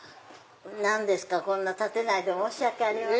何ですかこんな立てないで申し訳ありません。